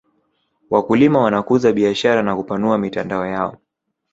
wakulima wanakuza biashara na kupanua mitandao yao